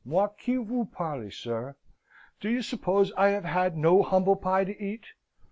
Moi qui vous parle, sir! do you suppose I have had no humble pie to eat?